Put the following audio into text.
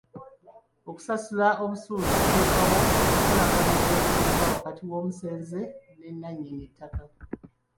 Okusasula busuulu kuteekawo enkolagana ey'olubeerera wakati w'omusenze ne nnannyini ttaka.